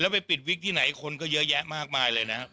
ไปปิดวิกที่ไหนคนก็เยอะแยะมากมายเลยนะครับ